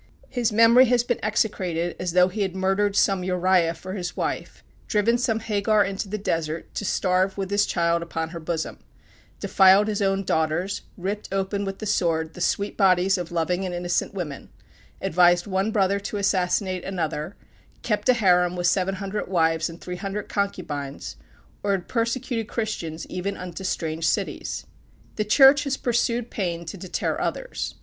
His memory has been execrated as though he had murdered some Uriah for his wife; driven some Hagar into the desert to starve with his child upon her bosom; defiled his own daughters; ripped open with the sword the sweet bodies of loving and innocent women; advised one brother to assassinate another; kept a harem with seven hundred wives, and three hundred concubines, or had persecuted Christians even unto strange cities. The Church has pursued Paine to deter others.